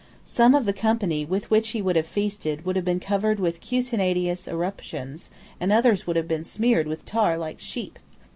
Some of the company with which he would have feasted would have been covered with cutaneous eruptions, and others would have been smeared with tar like sheep.